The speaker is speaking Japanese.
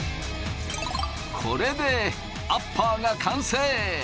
これでアッパーが完成。